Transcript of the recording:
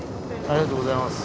ありがとうございます。